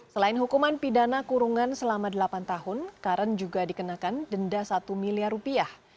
selain hukuman pidana kurungan selama delapan tahun karen juga dikenakan denda satu miliar rupiah